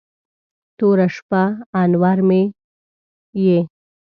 توره شپه، انور مې یې